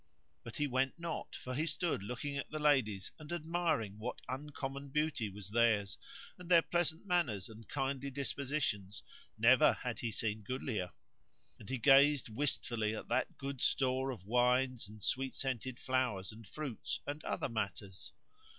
But he went not, for he stood looking at the ladies and admiring what uncommon beauty was theirs, and their pleasant manners and kindly dispositions (never had he seen goodlier); and he gazed wistfully at that good store of wines and sweet scented flowers and fruits and other matters.